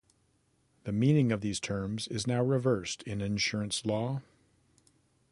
The meaning of these terms is reversed in insurance law.